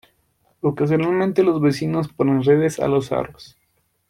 Ocasionalmente los vecinos ponen redes a los aros.